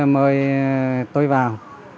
mời tôi vào